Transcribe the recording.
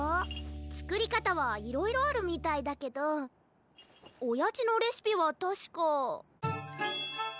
つくりかたはいろいろあるみたいだけどおやじのレシピはたしか。